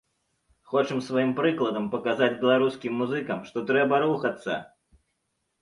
Хочам сваім прыкладам паказаць беларускім музыкам, што трэба рухацца!